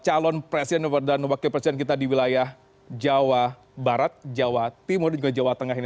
calon presiden dan wakil presiden kita di wilayah jawa barat jawa timur dan juga jawa tengah ini